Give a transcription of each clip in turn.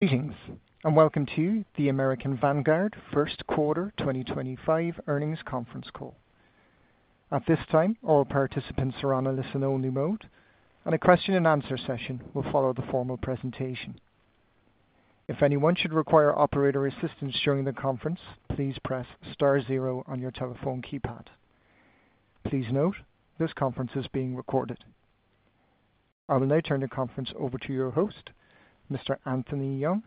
Greetings, and welcome to the American Vanguard First Quarter 2025 earnings conference call. At this time, all participants are on a listen-only mode, and a question-and-answer session will follow the formal presentation. If anyone should require operator assistance during the conference, please press star zero on your telephone keypad. Please note this conference is being recorded. I will now turn the conference over to your host, Mr. Anthony Young.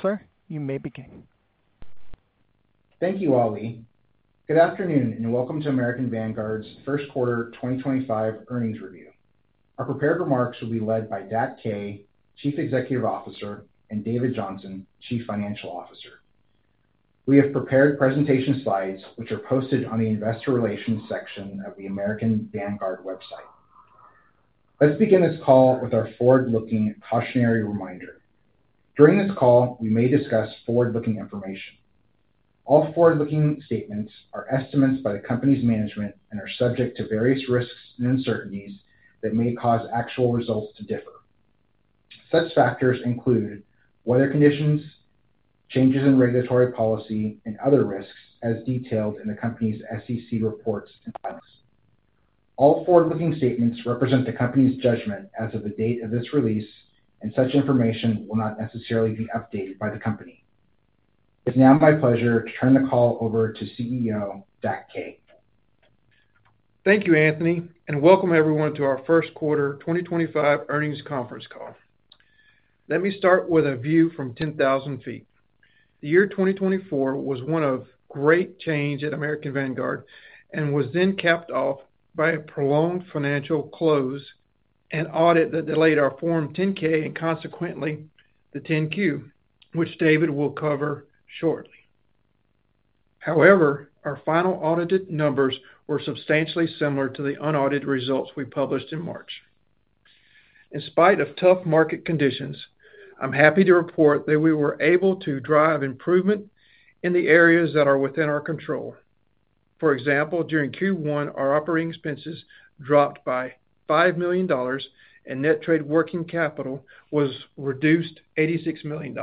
Sir, you may begin. Thank you, Ali. Good afternoon and welcome to American Vanguard's First Quarter 2025 earnings review. Our prepared remarks will be led by Dak Kaye, Chief Executive Officer, and David Johnson, Chief Financial Officer. We have prepared presentation slides, which are posted on the Investor Relations section of the American Vanguard website. Let's begin this call with our forward-looking cautionary reminder. During this call, we may discuss forward-looking information. All forward-looking statements are estimates by the company's management and are subject to various risks and uncertainties that may cause actual results to differ. Such factors include weather conditions, changes in regulatory policy, and other risks as detailed in the company's SEC reports and files. All forward-looking statements represent the company's judgment as of the date of this release, and such information will not necessarily be updated by the company. It's now my pleasure to turn the call over to CEO, Dak Kaye. Thank you, Anthony, and welcome everyone to our First Quarter 2025 earnings conference call. Let me start with a view from 10,000 ft. The year 2024 was one of great change at American Vanguard and was then capped off by a prolonged financial close and audit that delayed our Form 10-K and consequently the 10-Q, which David will cover shortly. However, our final audited numbers were substantially similar to the unaudited results we published in March. In spite of tough market conditions, I'm happy to report that we were able to drive improvement in the areas that are within our control. For example, during Q1, our operating expenses dropped by $5 million, and net trade working capital was reduced by $86 million,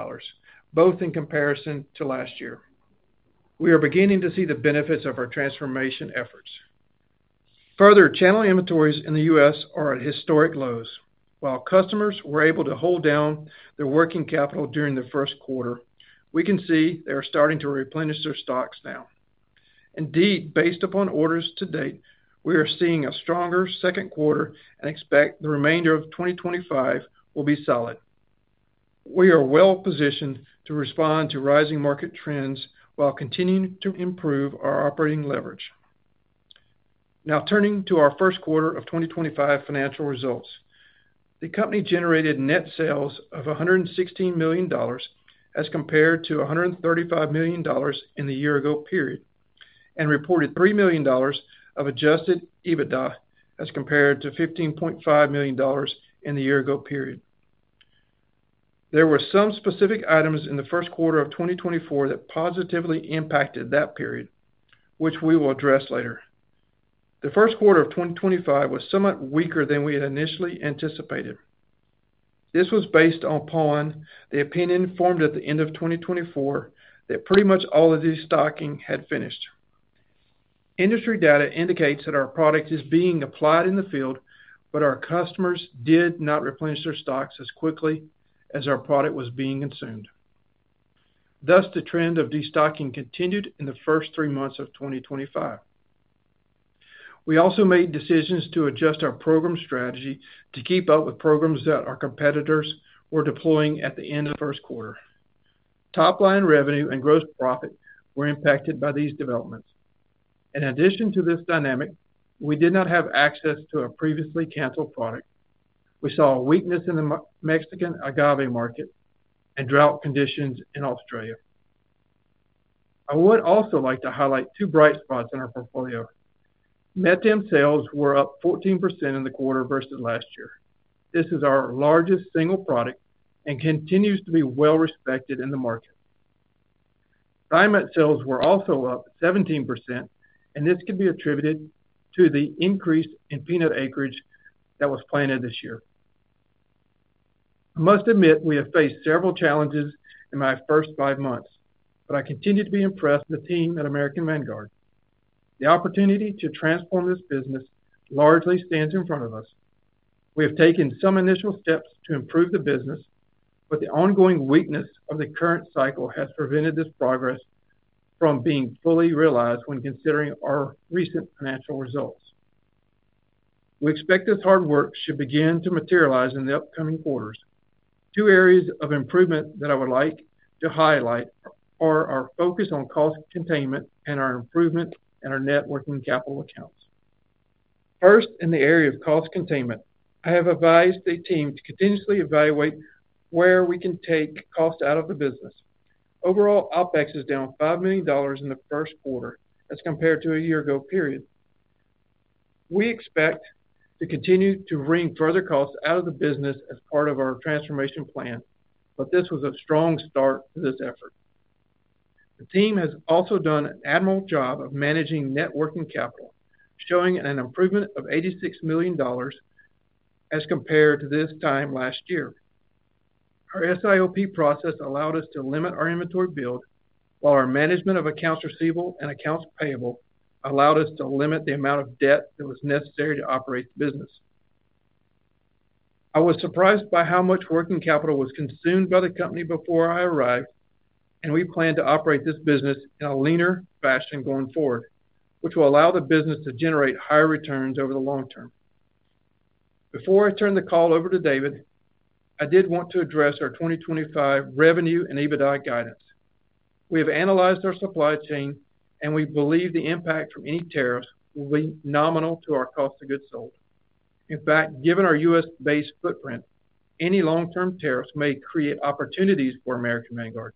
both in comparison to last year. We are beginning to see the benefits of our transformation efforts. Further, channel inventories in the U.S. are at historic lows. While customers were able to hold down their working capital during the first quarter, we can see they are starting to replenish their stocks now. Indeed, based upon orders to date, we are seeing a stronger second quarter and expect the remainder of 2025 will be solid. We are well positioned to respond to rising market trends while continuing to improve our operating leverage. Now, turning to our first quarter of 2025 financial results, the company generated net sales of $116 million as compared to $135 million in the year-ago period and reported $3 million of adjusted EBITDA as compared to $15.5 million in the year-ago period. There were some specific items in the first quarter of 2024 that positively impacted that period, which we will address later. The first quarter of 2025 was somewhat weaker than we had initially anticipated. This was based upon the opinion formed at the end of 2024 that pretty much all of the stocking had finished. Industry data indicates that our product is being applied in the field, but our customers did not replenish their stocks as quickly as our product was being consumed. Thus, the trend of destocking continued in the first three months of 2025. We also made decisions to adjust our program strategy to keep up with programs that our competitors were deploying at the end of the first quarter. Top-line revenue and gross profit were impacted by these developments. In addition to this dynamic, we did not have access to a previously canceled product. We saw a weakness in the Mexican agave market and drought conditions in Australia. I would also like to highlight two bright spots in our portfolio. Metam sales were up 14% in the quarter versus last year. This is our largest single product and continues to be well-respected in the market. Diamond sales were also up 17%, and this could be attributed to the increase in peanut acreage that was planted this year. I must admit we have faced several challenges in my first five months, but I continue to be impressed with the team at American Vanguard. The opportunity to transform this business largely stands in front of us. We have taken some initial steps to improve the business, but the ongoing weakness of the current cycle has prevented this progress from being fully realized when considering our recent financial results. We expect this hard work should begin to materialize in the upcoming quarters. Two areas of improvement that I would like to highlight are our focus on cost containment and our improvement in our net working capital accounts. First, in the area of cost containment, I have advised the team to continuously evaluate where we can take costs out of the business. Overall, OPEX is down $5 million in the first quarter as compared to a year-ago period. We expect to continue to wring further costs out of the business as part of our transformation plan, but this was a strong start to this effort. The team has also done an admirable job of managing net working capital, showing an improvement of $86 million as compared to this time last year. Our SIOP process allowed us to limit our inventory build, while our management of accounts receivable and accounts payable allowed us to limit the amount of debt that was necessary to operate the business. I was surprised by how much working capital was consumed by the company before I arrived, and we plan to operate this business in a leaner fashion going forward, which will allow the business to generate higher returns over the long term. Before I turn the call over to David, I did want to address our 2025 revenue and EBITDA guidance. We have analyzed our supply chain, and we believe the impact from any tariffs will be nominal to our cost of goods sold. In fact, given our U.S.-based footprint, any long-term tariffs may create opportunities for American Vanguard.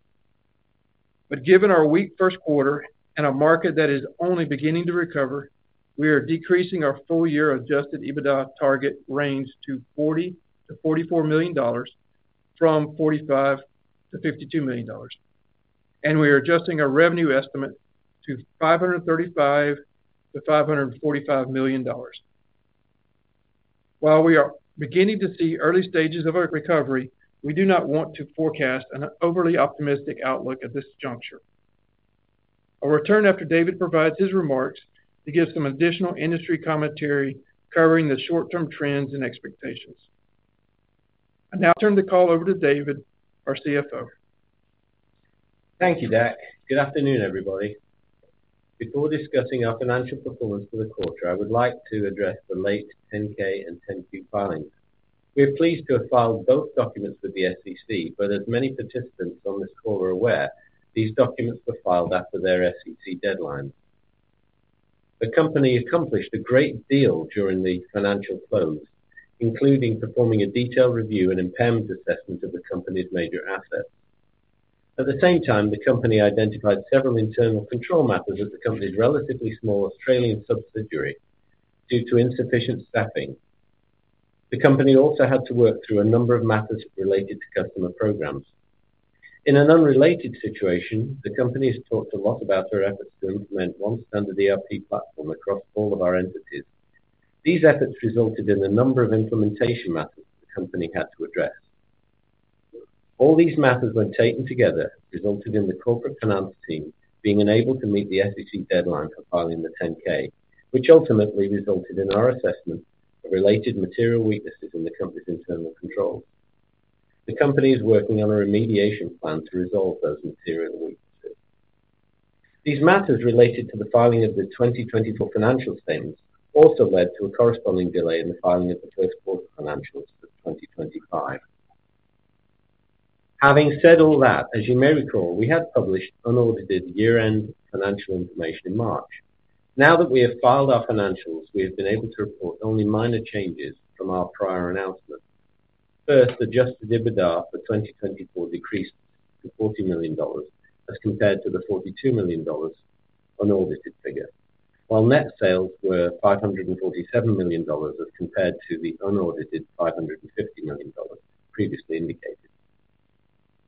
Given our weak first quarter and a market that is only beginning to recover, we are decreasing our full-year adjusted EBITDA target range to $40-$44 million from $45-$52 million, and we are adjusting our revenue estimate to $535-$545 million. While we are beginning to see early stages of a recovery, we do not want to forecast an overly optimistic outlook at this juncture. I'll return after David provides his remarks to give some additional industry commentary covering the short-term trends and expectations. I now turn the call over to David, our CFO. Thank you, Dak. Good afternoon, everybody. Before discussing our financial performance for the quarter, I would like to address the late 10-K and 10-Q filings. We are pleased to have filed both documents with the SEC, but as many participants on this call are aware, these documents were filed after their SEC deadline. The company accomplished a great deal during the financial close, including performing a detailed review and impairment assessment of the company's major assets. At the same time, the company identified several internal control matters at the company's relatively small Australian subsidiary due to insufficient staffing. The company also had to work through a number of matters related to customer programs. In an unrelated situation, the company has talked a lot about their efforts to implement one standard ERP platform across all of our entities. These efforts resulted in a number of implementation matters the company had to address. All these matters, when taken together, resulted in the corporate finance team being unable to meet the SEC deadline for filing the 10-K, which ultimately resulted in our assessment of related material weaknesses in the company's internal controls. The company is working on a remediation plan to resolve those material weaknesses. These matters related to the filing of the 2024 financial statements also led to a corresponding delay in the filing of the first quarter financials for 2025. Having said all that, as you may recall, we had published unaudited year-end financial information in March. Now that we have filed our financials, we have been able to report only minor changes from our prior announcement. First, adjusted EBITDA for 2024 decreased to $40 million as compared to the $42 million unaudited figure, while net sales were $547 million as compared to the unaudited $550 million previously indicated.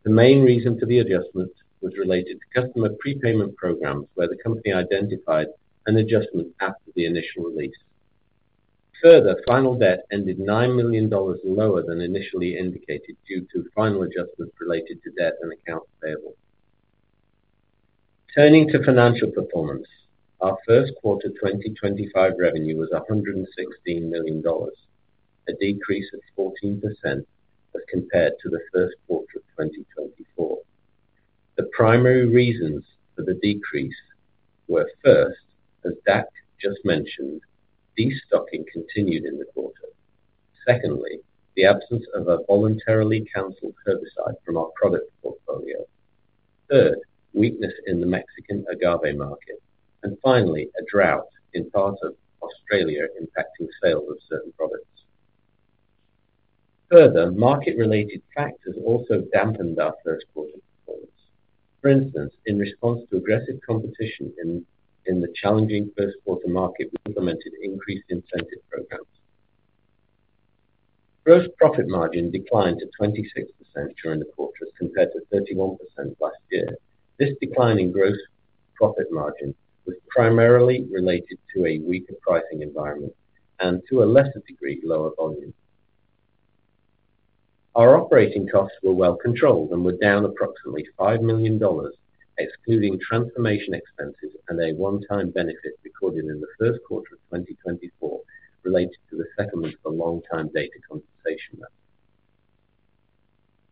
The main reason for the adjustment was related to customer prepayment programs, where the company identified an adjustment after the initial release. Further, final debt ended $9 million lower than initially indicated due to final adjustments related to debt and accounts payable. Turning to financial performance, our first quarter 2025 revenue was $116 million, a decrease of 14% as compared to the first quarter of 2024. The primary reasons for the decrease were, first, as Dak just mentioned, destocking continued in the quarter. Secondly, the absence of a voluntarily canceled herbicide from our product portfolio. Third, weakness in the Mexican agave market. Finally, a drought in parts of Australia impacting sales of certain products. Further, market-related factors also dampened our first quarter performance. For instance, in response to aggressive competition in the challenging first quarter market, we implemented increased incentive programs. Gross profit margin declined to 26% during the quarter as compared to 31% last year. This decline in gross profit margin was primarily related to a weaker pricing environment and to a lesser degree lower volume. Our operating costs were well controlled and were down approximately $5 million, excluding transformation expenses and a one-time benefit recorded in the first quarter of 2024 related to the settlement of a long-time data compensation match.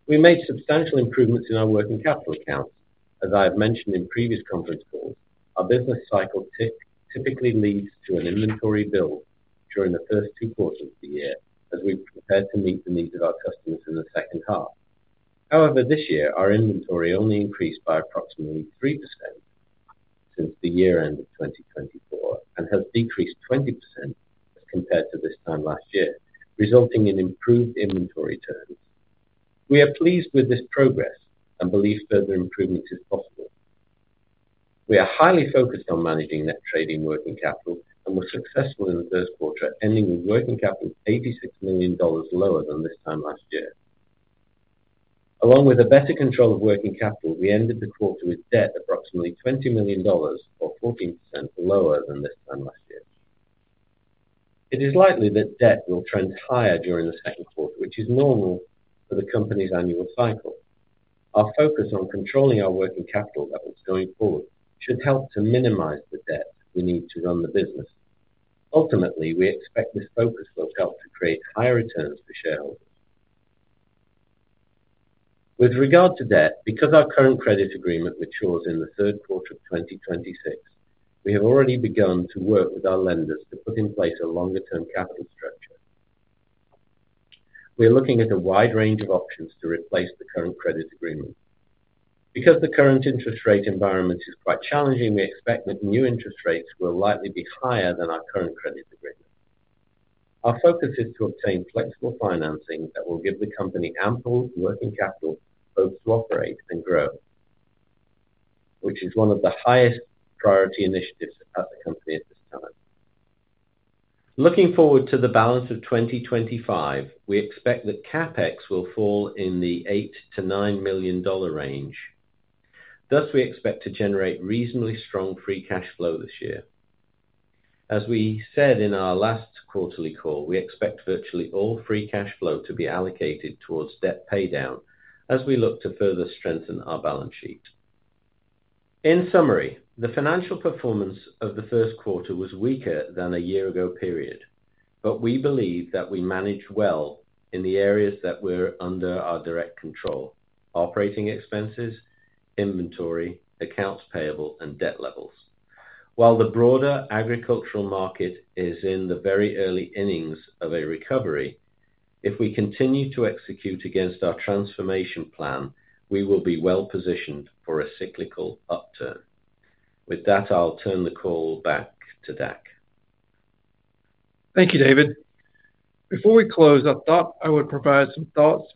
We made substantial improvements in our working capital accounts. As I have mentioned in previous conference calls, our business cycle typically leads to an inventory build during the first two quarters of the year as we prepare to meet the needs of our customers in the second half. However, this year, our inventory only increased by approximately 3% since the year-end of 2024 and has decreased 20% as compared to this time last year, resulting in improved inventory terms. We are pleased with this progress and believe further improvements are possible. We are highly focused on managing net trade working capital and were successful in the first quarter, ending with working capital $86 million lower than this time last year. Along with better control of working capital, we ended the quarter with debt approximately $20 million or 14% lower than this time last year. It is likely that debt will trend higher during the second quarter, which is normal for the company's annual cycle. Our focus on controlling our working capital levels going forward should help to minimize the debt we need to run the business. Ultimately, we expect this focus will help to create higher returns for shareholders. With regard to debt, because our current credit agreement matures in the third quarter of 2026, we have already begun to work with our lenders to put in place a longer-term capital structure. We are looking at a wide range of options to replace the current credit agreement. Because the current interest rate environment is quite challenging, we expect that new interest rates will likely be higher than our current credit agreement. Our focus is to obtain flexible financing that will give the company ample working capital both to operate and grow, which is one of the highest priority initiatives at the company at this time. Looking forward to the balance of 2025, we expect that CapEx will fall in the $8-$9 million range. Thus, we expect to generate reasonably strong free cash flow this year. As we said in our last quarterly call, we expect virtually all free cash flow to be allocated towards debt paydown as we look to further strengthen our balance sheet. In summary, the financial performance of the first quarter was weaker than a year-ago period, but we believe that we managed well in the areas that were under our direct control: operating expenses, inventory, accounts payable, and debt levels. While the broader agricultural market is in the very early innings of a recovery, if we continue to execute against our transformation plan, we will be well positioned for a cyclical upturn. With that, I'll turn the call back to Dak. Thank you, David. Before we close, I thought I would provide some thoughts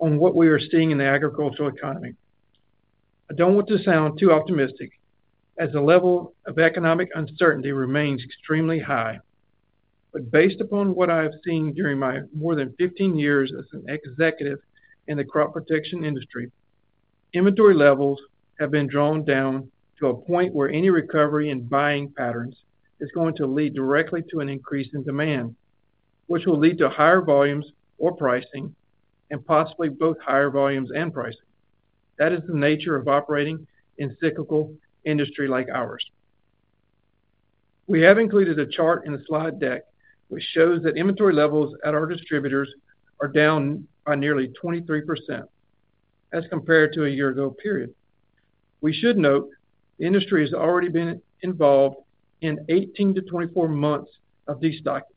on what we are seeing in the agricultural economy. I do not want to sound too optimistic as the level of economic uncertainty remains extremely high, but based upon what I have seen during my more than 15 years as an executive in the crop protection industry, inventory levels have been drawn down to a point where any recovery in buying patterns is going to lead directly to an increase in demand, which will lead to higher volumes or pricing, and possibly both higher volumes and pricing. That is the nature of operating in a cyclical industry like ours. We have included a chart in the slide deck, which shows that inventory levels at our distributors are down by nearly 23% as compared to a year-ago period. We should note the industry has already been involved in 18-24 months of destocking.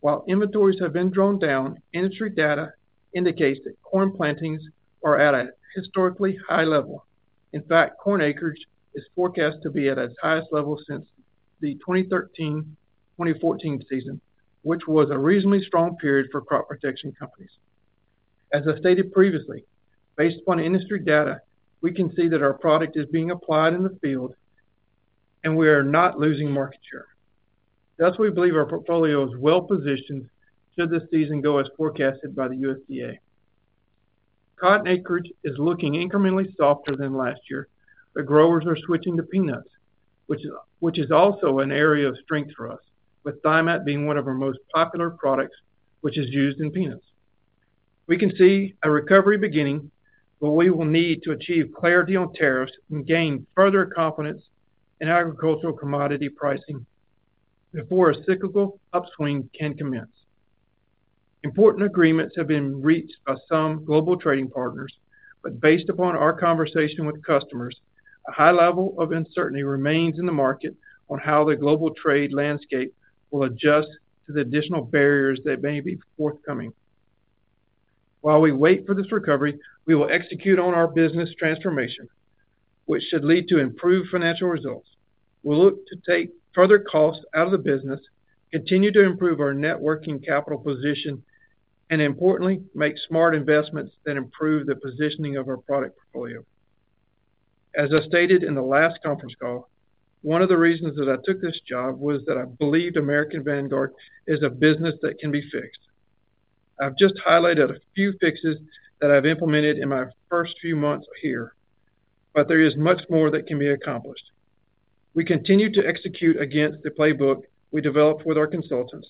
While inventories have been drawn down, industry data indicates that corn plantings are at a historically high level. In fact, corn acreage is forecast to be at its highest level since the 2013-2014 season, which was a reasonably strong period for crop protection companies. As I stated previously, based upon industry data, we can see that our product is being applied in the field and we are not losing market share. Thus, we believe our portfolio is well positioned should the season go as forecasted by the USDA. Cotton acreage is looking incrementally softer than last year, but growers are switching to peanuts, which is also an area of strength for us, with Thimet being one of our most popular products, which is used in peanuts. We can see a recovery beginning, but we will need to achieve clarity on tariffs and gain further confidence in agricultural commodity pricing before a cyclical upswing can commence. Important agreements have been reached by some global trading partners, but based upon our conversation with customers, a high level of uncertainty remains in the market on how the global trade landscape will adjust to the additional barriers that may be forthcoming. While we wait for this recovery, we will execute on our business transformation, which should lead to improved financial results. We'll look to take further costs out of the business, continue to improve our net working capital position, and importantly, make smart investments that improve the positioning of our product portfolio. As I stated in the last conference call, one of the reasons that I took this job was that I believe American Vanguard is a business that can be fixed. I've just highlighted a few fixes that I've implemented in my first few months here, but there is much more that can be accomplished. We continue to execute against the playbook we developed with our consultants,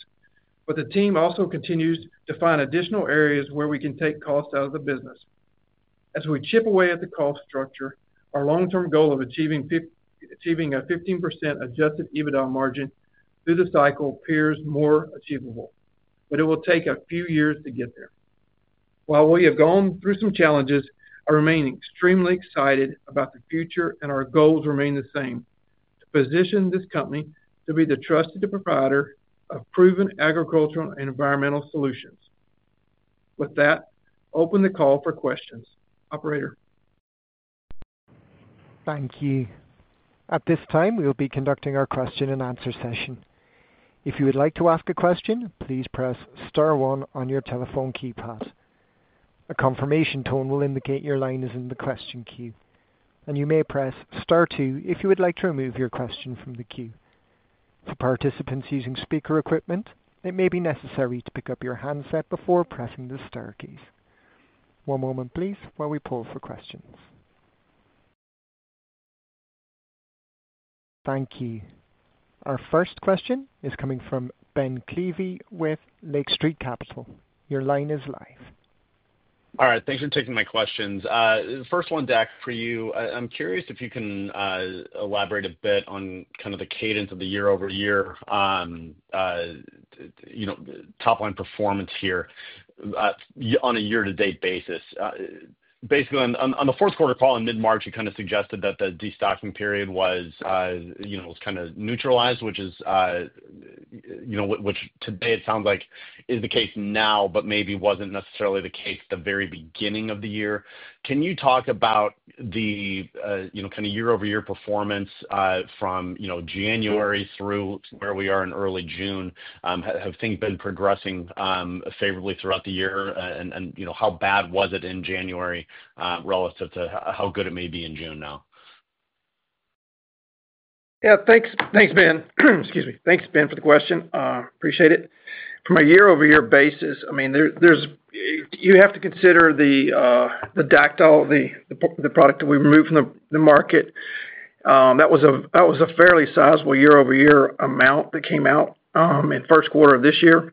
but the team also continues to find additional areas where we can take costs out of the business. As we chip away at the cost structure, our long-term goal of achieving a 15% adjusted EBITDA margin through the cycle appears more achievable, but it will take a few years to get there. While we have gone through some challenges, I remain extremely excited about the future and our goals remain the same: to position this company to be the trusted provider of proven agricultural and environmental solutions. With that, I'll open the call for questions. Operator. Thank you. At this time, we will be conducting our question-and-answer session. If you would like to ask a question, please press star one on your telephone keypad. A confirmation tone will indicate your line is in the question queue, and you may press star two if you would like to remove your question from the queue. For participants using speaker equipment, it may be necessary to pick up your handset before pressing the Star keys. One moment, please, while we pull for questions. Thank you. Our first question is coming from Ben Klieve with Lake Street Capital. Your line is live. All right. Thanks for taking my questions. First one, Dak, for you. I'm curious if you can elaborate a bit on kind of the cadence of the year-over-year top-line performance here on a year-to-date basis. Basically, on the fourth quarter call in mid-March, you kind of suggested that the destocking period was kind of neutralized, which is, which today it sounds like is the case now, but maybe wasn't necessarily the case at the very beginning of the year. Can you talk about the kind of year-over-year performance from January through to where we are in early June? Have things been progressing favorably throughout the year? And how bad was it in January relative to how good it may be in June now? Yeah. Thanks, Ben. Excuse me. Thanks, Ben, for the question. Appreciate it. From a year-over-year basis, I mean, you have to consider the Dacthal, the product that we removed from the market. That was a fairly sizable year-over-year amount that came out in the first quarter of this year.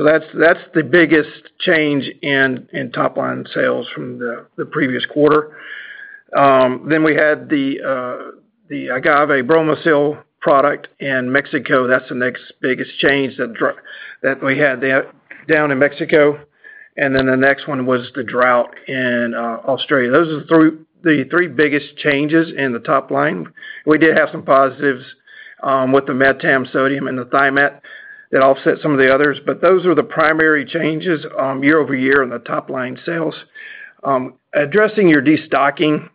That is the biggest change in top-line sales from the previous quarter. We had the agave Bromosil product in Mexico. That is the next biggest change that we had down in Mexico. The next one was the drought in Australia. Those are the three biggest changes in the top line. We did have some positives with the Metam sodium and the Thimet that offset some of the others, but those were the primary changes year-over-year in the top-line sales. Addressing your destocking,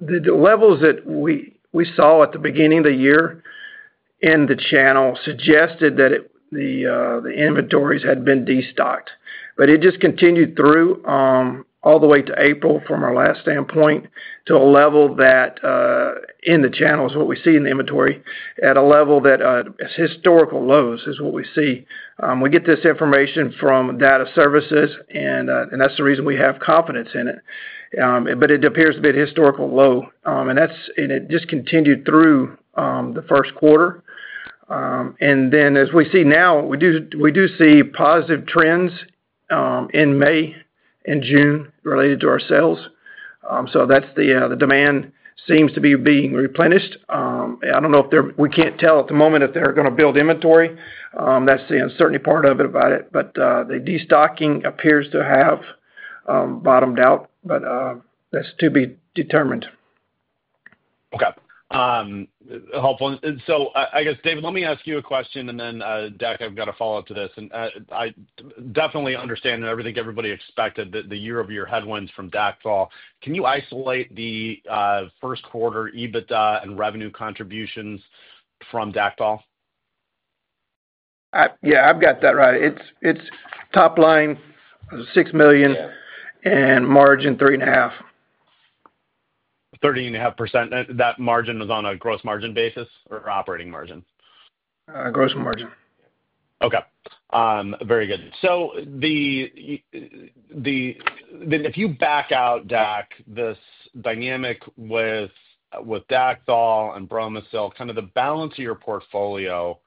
the levels that we saw at the beginning of the year in the channel suggested that the inventories had been destocked, but it just continued through all the way to April from our last standpoint to a level that in the channel is what we see in the inventory at a level that is historical lows is what we see. We get this information from Data Services, and that's the reason we have confidence in it. It appears to be a historical low, and it just continued through the first quarter. As we see now, we do see positive trends in May and June related to our sales. That demand seems to be being replenished. I don't know if we can't tell at the moment if they're going to build inventory. That's the uncertainty part of it, but the destocking appears to have bottomed out, but that's to be determined. Okay. Helpful. I guess, David, let me ask you a question, and then, Dak, I have got a follow-up to this. I definitely understand and I think everybody expected the year-over-year headwinds from Dacthal. Can you isolate the first quarter EBITDA and revenue contributions from Dacthal? Yeah. I've got that right. It's top line $6 million and margin 30.5%. 30.5%. That margin is on a gross margin basis or operating margin? Gross margin. Okay. Very good. If you back out, Dak, this dynamic with Dacthal and Bromosil, kind of the balance of your portfolio,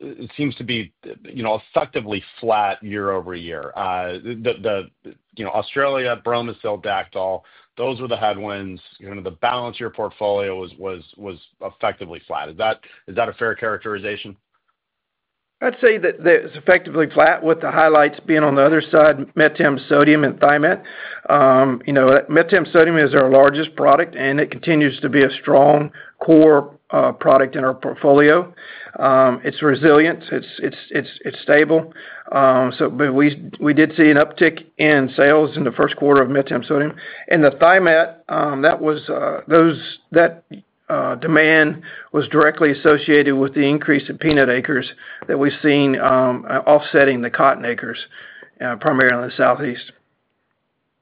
it seems to be effectively flat year-over-year. Australia, Bromosil, Dacthal, those were the headwinds. Kind of the balance of your portfolio was effectively flat. Is that a fair characterization? I'd say that it's effectively flat with the highlights being on the other side, Metam sodium and Thimet. Metam sodium is our largest product, and it continues to be a strong core product in our portfolio. It's resilient. It's stable. We did see an uptick in sales in the first quarter of Metam sodium. The Thimet, that demand was directly associated with the increase in peanut acres that we've seen offsetting the cotton acres primarily in the Southeast.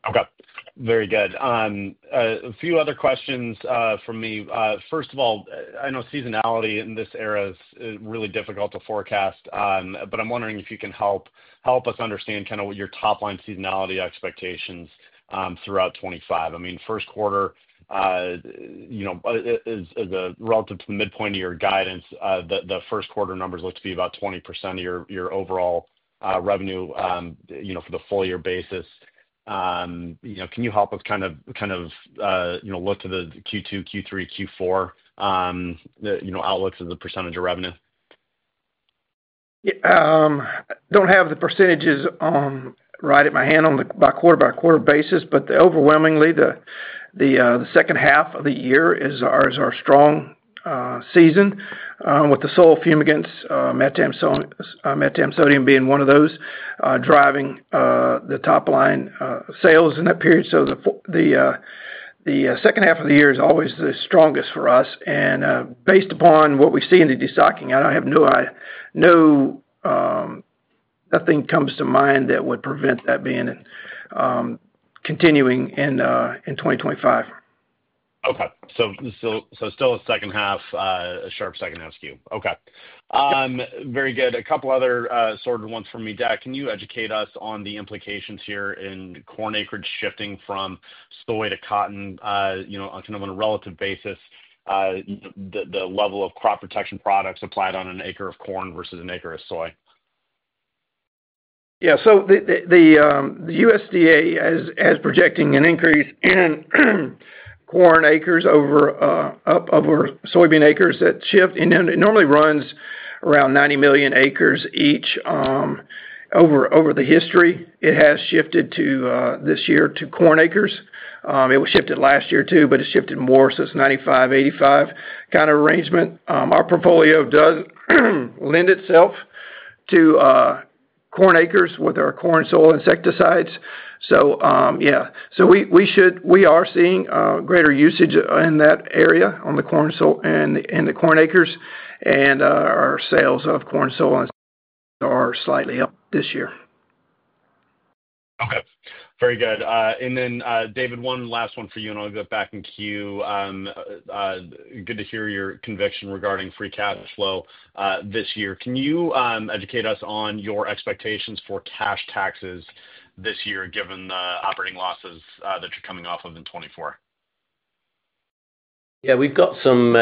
Okay. Very good. A few other questions for me. First of all, I know seasonality in this era is really difficult to forecast, but I'm wondering if you can help us understand kind of what your top-line seasonality expectations throughout 2025. I mean, first quarter is relative to the midpoint of your guidance. The first quarter numbers look to be about 20% of your overall revenue for the full-year basis. Can you help us kind of look to the Q2, Q3, Q4 outlooks as a percentage of revenue? Yeah. I don't have the percentages right at my hand on a quarter-by-quarter basis, but overwhelmingly, the second half of the year is our strong season with the soil fumigants, Metam sodium being one of those driving the top-line sales in that period. The second half of the year is always the strongest for us. Based upon what we see in the destocking, I don't have no idea, nothing comes to mind that would prevent that being continuing in 2025. Okay. So still a sharp second-half skew. Okay. Very good. A couple of other sort of ones for me. Dak, can you educate us on the implications here in corn acreage shifting from soy to cotton kind of on a relative basis? The level of crop protection products applied on an acre of corn versus an acre of soy? Yeah. The USDA has projected an increase in corn acres up over soybean acres, that shift. It normally runs around 90 million acres each. Over the history, it has shifted to this year to corn acres. It was shifted last year too, but it has shifted more since 1995, 1985 kind of arrangement. Our portfolio does lend itself to corn acres with our corn soil insecticides. Yeah. We are seeing greater usage in that area on the corn and the corn acres. Our sales of corn soil insecticides are slightly up this year. Okay. Very good. David, one last one for you, and I'll go back in queue. Good to hear your conviction regarding free cash flow this year. Can you educate us on your expectations for cash taxes this year given the operating losses that you're coming off of in 2024? Yeah. We've got some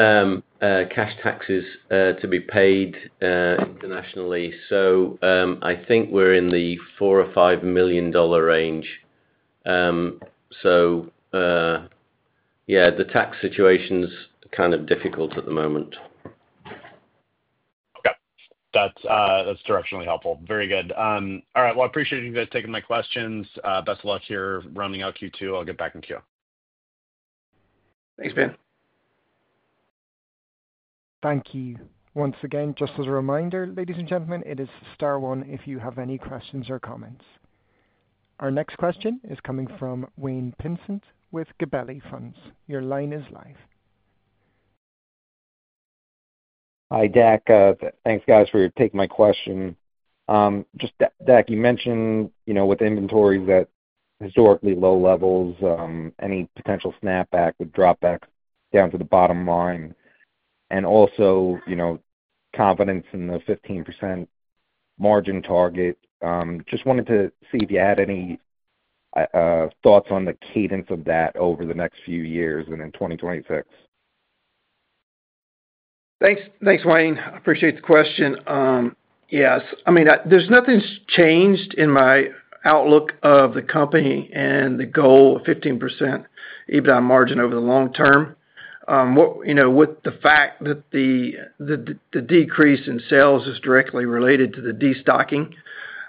cash taxes to be paid internationally. I think we're in the $4 million-$5 million range. Yeah, the tax situation's kind of difficult at the moment. Okay. That's directionally helpful. Very good. All right. I appreciate you guys taking my questions. Best of luck here rounding out Q2. I'll get back in queue. Thanks, Ben. Thank you once again. Just as a reminder, ladies and gentlemen, it is star one if you have any questions or comments. Our next question is coming from Wayne Pinsent with Gabelli Funds. Your line is live. Hi, Dak. Thanks, guys, for taking my question. Dak, you mentioned with inventories at historically low levels, any potential snapback would drop back down to the bottom line. Also, confidence in the 15% margin target. Just wanted to see if you had any thoughts on the cadence of that over the next few years and in 2026. Thanks, Wayne. I appreciate the question. Yes. I mean, there's nothing changed in my outlook of the company and the goal of 15% EBITDA margin over the long term with the fact that the decrease in sales is directly related to the destocking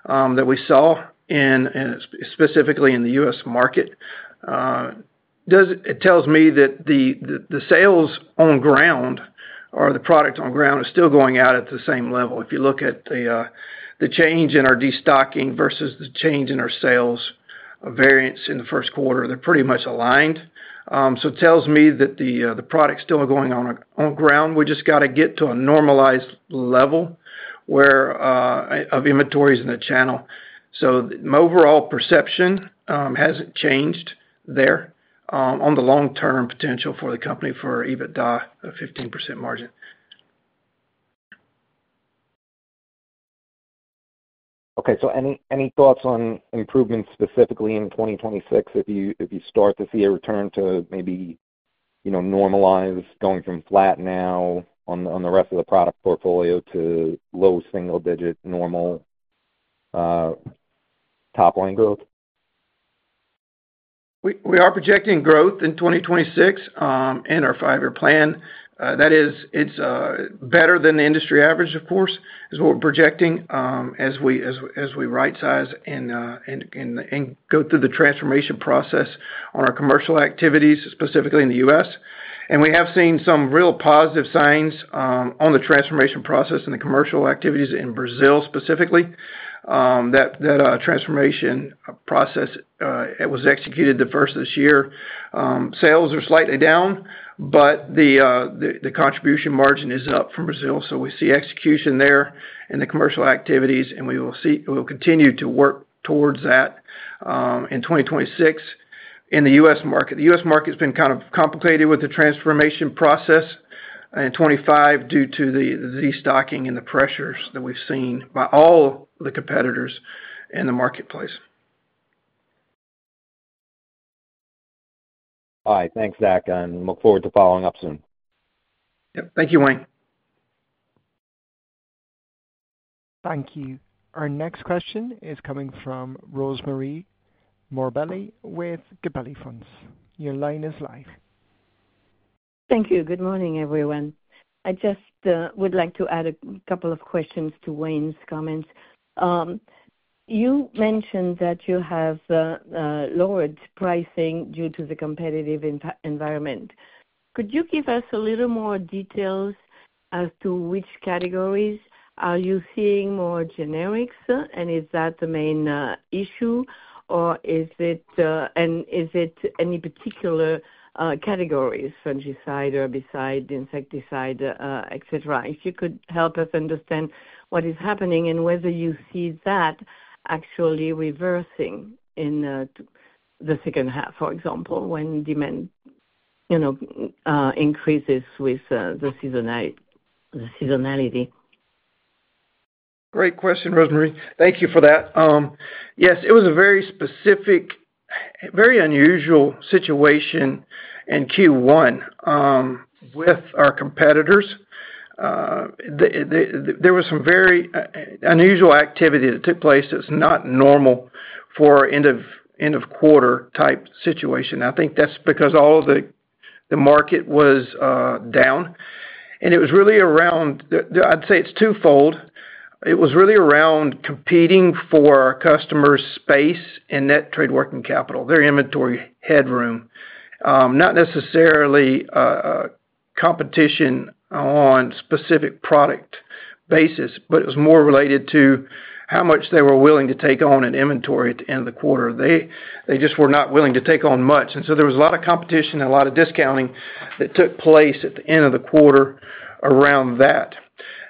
that we saw, and specifically in the U.S. market. It tells me that the sales on ground or the product on ground is still going out at the same level. If you look at the change in our destocking versus the change in our sales variance in the first quarter, they're pretty much aligned. It tells me that the product's still going on ground. We just got to get to a normalized level of inventories in the channel. My overall perception hasn't changed there on the long-term potential for the company for EBITDA of 15% margin. Okay. So any thoughts on improvements specifically in 2026 if you start to see a return to maybe normalize going from flat now on the rest of the product portfolio to low single-digit normal top-line growth? We are projecting growth in 2026 in our five-year plan. That is, it's better than the industry average, of course, is what we're projecting as we right-size and go through the transformation process on our commercial activities, specifically in the U.S. And we have seen some real positive signs on the transformation process in the commercial activities in Brazil, specifically. That transformation process was executed the first of this year. Sales are slightly down, but the contribution margin is up from Brazil. So we see execution there in the commercial activities, and we will continue to work towards that in 2026 in the U.S. market. The U.S. market has been kind of complicated with the transformation process in 2025 due to the destocking and the pressures that we've seen by all the competitors in the marketplace. All right. Thanks, Dak. I look forward to following up soon. Yep. Thank you, Wayne. Thank you. Our next question is coming from Rosemarie Morbelli with Gabelli Funds. Your line is live. Thank you. Good morning, everyone. I just would like to add a couple of questions to Wayne's comments. You mentioned that you have lowered pricing due to the competitive environment. Could you give us a little more details as to which categories are you seeing more generics, and is that the main issue, or is it any particular categories, fungicide, herbicide, insecticide, etc.? If you could help us understand what is happening and whether you see that actually reversing in the second half, for example, when demand increases with the seasonality. Great question, Rosemarie. Thank you for that. Yes. It was a very specific, very unusual situation in Q1 with our competitors. There was some very unusual activity that took place that is not normal for an end-of-quarter type situation. I think that is because all of the market was down. It was really around, I would say, it is twofold. It was really around competing for our customers' space and net trade working capital, their inventory headroom. Not necessarily competition on a specific product basis, but it was more related to how much they were willing to take on in inventory at the end of the quarter. They just were not willing to take on much. There was a lot of competition and a lot of discounting that took place at the end of the quarter around that.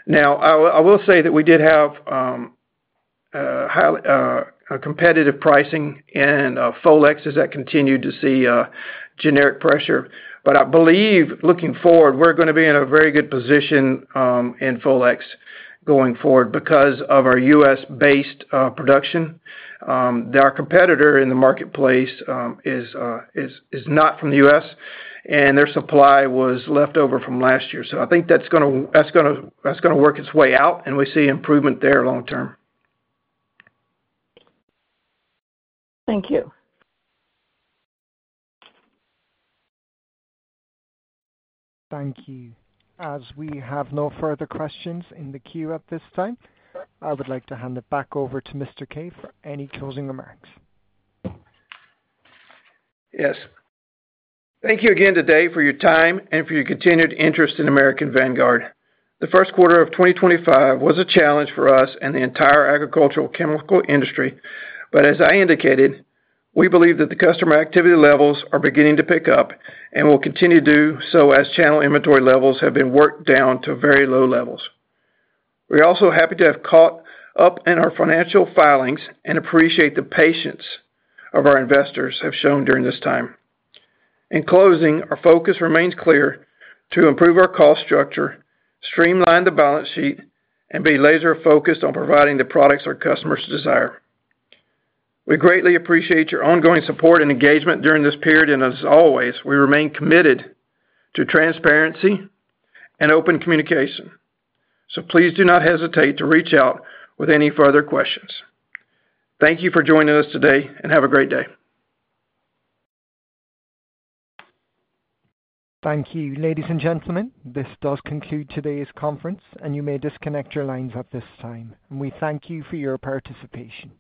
Now, I will say that we did have competitive pricing in Folex as that continued to see generic pressure. I believe looking forward, we're going to be in a very good position in Folex going forward because of our U.S.-based production. Our competitor in the marketplace is not from the U.S., and their supply was left over from last year. I think that's going to work its way out, and we see improvement there long term. Thank you. Thank you. As we have no further questions in the queue at this time, I would like to hand it back over to Mr. Kaye for any closing remarks. Yes. Thank you again today for your time and for your continued interest in American Vanguard. The first quarter of 2025 was a challenge for us and the entire agricultural chemical industry. As I indicated, we believe that the customer activity levels are beginning to pick up and will continue to do so as channel inventory levels have been worked down to very low levels. We are also happy to have caught up in our financial filings and appreciate the patience our investors have shown during this time. In closing, our focus remains clear to improve our cost structure, streamline the balance sheet, and be laser-focused on providing the products our customers desire. We greatly appreciate your ongoing support and engagement during this period. As always, we remain committed to transparency and open communication. Please do not hesitate to reach out with any further questions. Thank you for joining us today, and have a great day. Thank you, ladies and gentlemen. This does conclude today's conference, and you may disconnect your lines at this time. We thank you for your participation.